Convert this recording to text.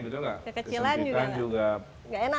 kekecilan juga gak enak